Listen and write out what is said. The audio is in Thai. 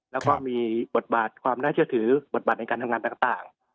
แล้วก็มีบทบาทความน่าเชื่อถือบทบาทในการทำงานต่าง